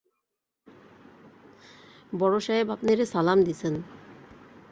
বড় সাহেব আপনেরে সালাম দিছেন।